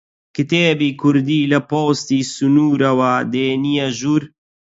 کتێبی کوردی لە پۆستی سنوورەوە دێنیە ژوور؟